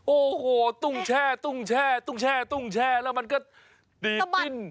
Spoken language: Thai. โอ้โฮตุ้งแช่แล้วมันก็ดีติ้น